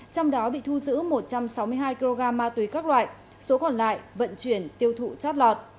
trong đó bị thu giữ một trăm sáu mươi hai kg ma túy các loại số còn lại vận chuyển tiêu thụ chót lọt